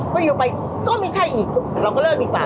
ก็ไม่ใช่อีกเราก็เลิกดีกว่า